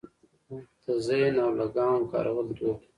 د زین او لګام کارول دود و